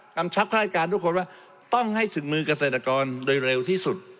ชับข้าราชการทุกคนว่าต้องให้ถึงมือเกษตรกรโดยเร็วที่สุด